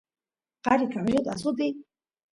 qari caballut asutiy